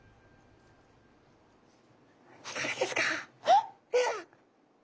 いかがですか？